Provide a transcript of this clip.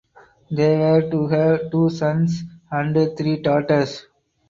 They were to have two sons and three daughters.